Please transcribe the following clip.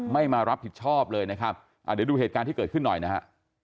ไม่มารับผิดชอบเลยนะครับเดี๋ยวดูเหตุการณ์ที่เกิดขึ้นหน่อยนะฮะ